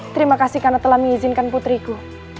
terima kasih karena telah mengizinkan putriku